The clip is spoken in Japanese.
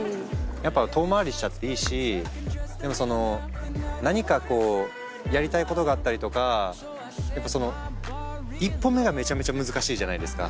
やっぱ遠回りしちゃっていいし何かこうやりたいことがあったりとかやっぱその一歩目がめちゃめちゃ難しいじゃないですか。